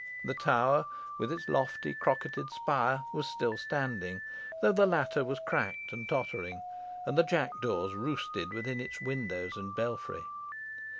The tower with its lofty crocketed spire was still standing, though the latter was cracked and tottering, and the jackdaws roosted within its windows and belfry.